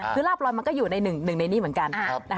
คือลาบลอยมันก็อยู่ในหนึ่งในนี้เหมือนกัน